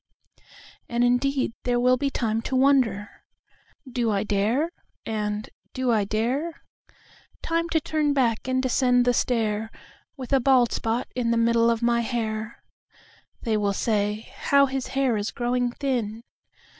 And indeed there will be timeTo wonder, "Do I dare?" and, "Do I dare?"Time to turn back and descend the stair, With a bald spot in the middle of my hair—(They will say: "How his hair is growing thin!")